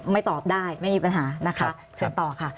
ตอบได้ไม่มีปัญหานะคะเชิญต่อค่ะ